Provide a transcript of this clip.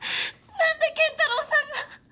なんで健太郎さんが！